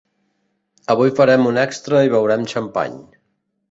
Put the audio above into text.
Avui farem un extra i beurem xampany.